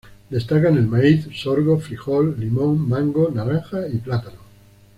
Destacan el maíz, sorgo, frijol, limón, mango, naranja y plátano.